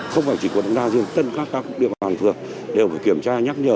không phải chỉ của đồng gia riêng tất cả các địa phòng hàng thừa đều phải kiểm tra nhắc nhở